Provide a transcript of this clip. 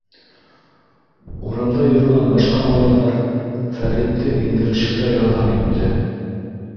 Урамда йөрөгән башҡа малайҙар Фәритте индерешергә ярҙам итте.